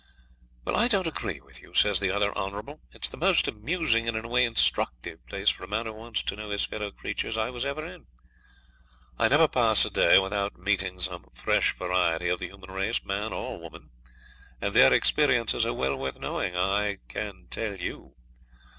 'I don't agree with you,' says the other Honourable. 'It's the most amusing and in a way instructive place for a man who wants to know his fellow creatures I was ever in. I never pass a day without meeting some fresh variety of the human race, man or woman; and their experiences are well worth knowing, I can tell you.